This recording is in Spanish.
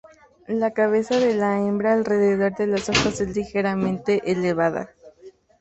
La cabeza de la hembra alrededor de los ojos es ligeramente elevada.